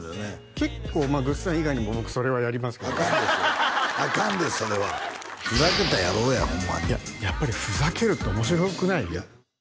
結構ぐっさん以外にも僕それはやりますけどねアカンでそれアカンでそれはふざけた野郎やホンマにやっぱりふざけるって面白くない？